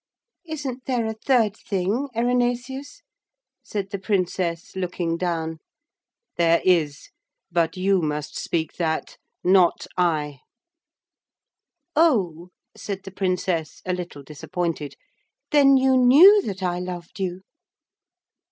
'Isn't there a third thing, Erinaceus?' said the Princess, looking down. 'There is, but you must speak that, not I.' 'Oh,' said the Princess, a little disappointed, 'then you knew that I loved you?'